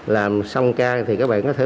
làm xong ca thì các bạn có thể